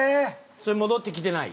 それ戻ってきてない？